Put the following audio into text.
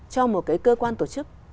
cho một cái cơ quan tổ chức